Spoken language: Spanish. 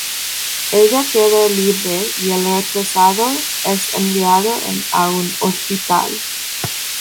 Ella queda libre y el retrasado es enviado a un hospital.